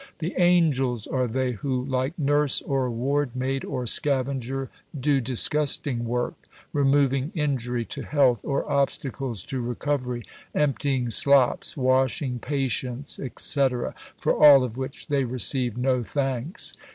The Angels are they who, like Nurse or Ward maid or Scavenger, do disgusting work, removing injury to health or obstacles to recovery, emptying slops, washing patients, etc., for all of which they receive no thanks.